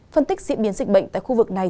phân tích diễn biến dịch bệnh tại khu vực này